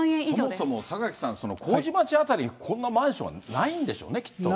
そもそも榊さん、麹町辺り、こんなマンションはないんでしょうね、きっとね。